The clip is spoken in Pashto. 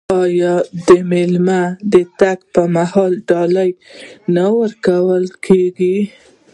آیا د میلمه د تګ پر مهال ډالۍ نه ورکول کیږي؟